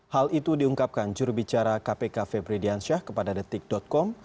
hal itu diungkapkan jurubicara kpk febri diansyah kepada detik com